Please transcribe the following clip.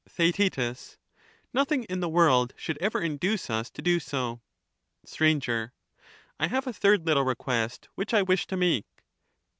not. Theaet Nothing in the world should ever induce us to do so. Str. I have a third little request which I wish to make.